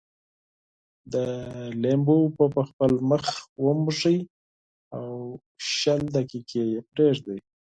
د لیمو اوبه په خپل مخ وموښئ او شل دقيقې یې پرېږدئ.